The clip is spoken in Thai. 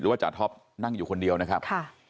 หรือว่าจาท็อปนั่งอยู่คนเดียวนะครับค่ะ